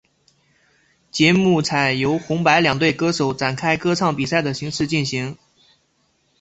节目采由红白两队歌手展开歌唱比赛的形式进行。